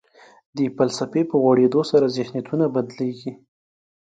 د فلسفې په غوړېدو سره ذهنیتونه بدلېږي.